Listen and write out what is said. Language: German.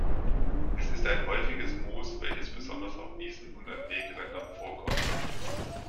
Es ist ein häufiges Moos, welches besonders auf Wiesen und an Wegrändern vorkommt.